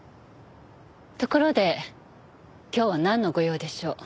ところで今日はなんのご用でしょう？